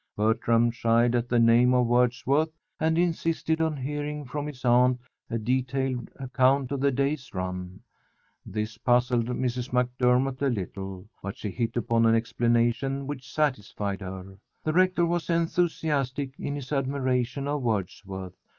Bertram shied at the name of Wordsworth and insisted on hearing from his aunt a detailed account of the day's run. This puzzled Mrs. MacDermott a little; but she hit upon an explanation which satisfied her. The rector was enthusiastic in his admiration of Wordsworth.